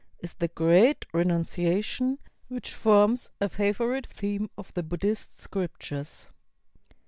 is the ''Great Renunciation" which forms a favorite theme of the Buddhist scriptures.